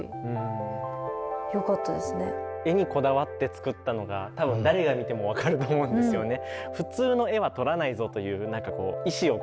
画にこだわって作ったのが多分誰が見ても分かると思うんですよね。